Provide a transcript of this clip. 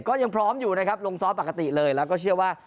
ก็ยังพร้อมอยู่นะครับลงซ้อมปกติเลยแล้วก็เชื่อว่า